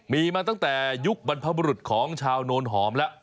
มีมาตั้งแต่ยุคบรรพบุรุษของชาวโนนหอมแล้ว